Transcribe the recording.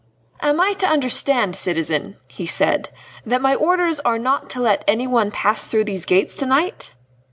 "Am I to understand, citizen," he said, "that my orders are not to let anyone pass through these gates to night?"